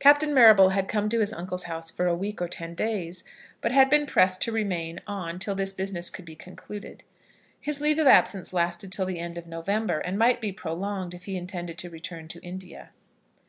Captain Marrable had come to his uncle's house for a week or ten days, but had been pressed to remain on till this business should be concluded. His leave of absence lasted till the end of November, and might be prolonged if he intended to return to India.